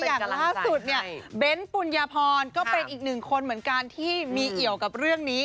อย่างล่าสุดเนี่ยเบ้นปุญญาพรก็เป็นอีกหนึ่งคนเหมือนกันที่มีเอี่ยวกับเรื่องนี้